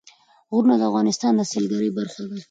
غرونه د افغانستان د سیلګرۍ برخه ده.